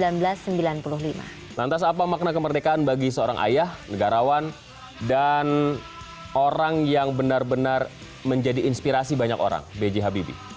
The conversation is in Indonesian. lantas apa makna kemerdekaan bagi seorang ayah negarawan dan orang yang benar benar menjadi inspirasi banyak orang b j habibie